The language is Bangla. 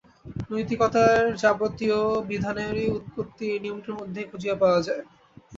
নৈতিকতার যাবতীয় বিধানেরই উৎপত্তি এই নিয়মটির মধ্যেই খুঁজিয়া পাওয়া যায়।